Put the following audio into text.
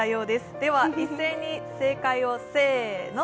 では一斉に正解を、せーの。